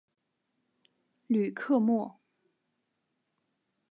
吕克莫。